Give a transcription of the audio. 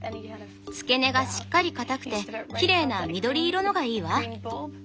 付け根がしっかり固くてきれいな緑色のがいいわ。